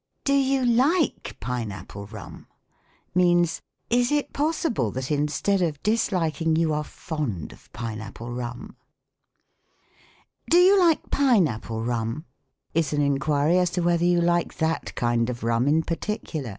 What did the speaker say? " Do you like pine apple rum ?" means, " Is it pos sible that instead of disliking, you are fond of pine apple rum ?" PROSODY. 115 " Do you like pine apple rum ?" is an enquiry as to whether you like that kind of rum in particular.